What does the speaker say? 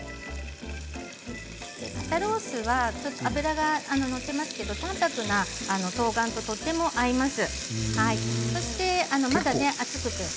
肩ロースは脂が少なくて淡泊なとうがんととても合います。